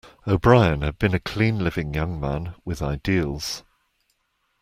O'Brien had been a clean living young man with ideals.